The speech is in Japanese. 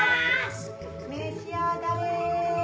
召し上がれ。